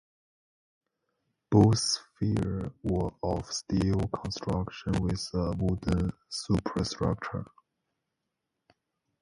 Both ferries were of steel construction with a wooden superstructure.